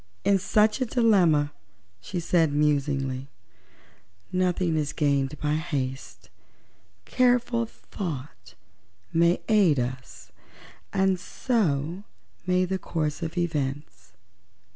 "In such a dilemma," said she, musingly, "nothing is gained by haste. Careful thought may aid us, and so may the course of events.